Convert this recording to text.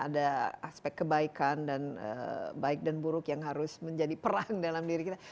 ada aspek kebaikan dan baik dan buruk yang harus menjadi perang dalam diri kita